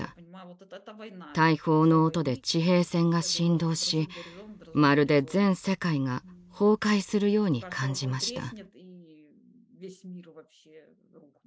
大砲の音で地平線が震動しまるで全世界が崩壊するように感じました。